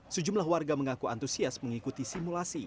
sejumlah warga mengaku antusias mengikuti simulasi